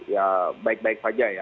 ya baik baik saja ya